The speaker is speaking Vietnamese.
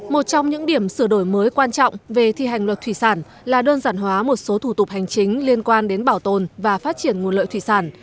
một trong những điểm sửa đổi mới quan trọng về thi hành luật thủy sản là đơn giản hóa một số thủ tục hành chính liên quan đến bảo tồn và phát triển nguồn lợi thủy sản